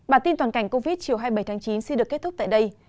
bản tin toàn cảnh covid chiều hai mươi bảy tháng chín xin được kết thúc tại đây